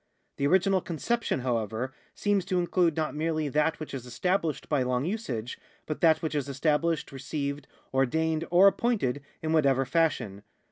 The original conception, however, seems to include not merely that which is established by long usage, but that which is established, received, ordained, or appointed in whatever fashion.